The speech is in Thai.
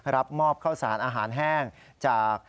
รับมอบข้าวสารอาหารแห้งจาก